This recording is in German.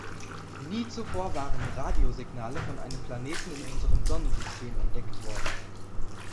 Nie zuvor waren Radiosignale von einem Planeten in unserem Sonnensystem entdeckt worden.